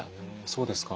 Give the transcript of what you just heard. そうですか。